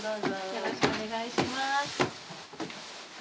よろしくお願いします。